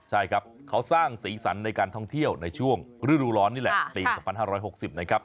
ใช่ครับเขาสร้างสีสันในการท่องเที่ยวในช่วงฤดูร้อนนี่แหละปี๒๕๖๐นะครับ